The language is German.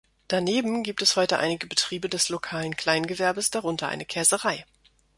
Daneben gibt es heute einige Betriebe des lokalen Kleingewerbes, darunter eine Käserei.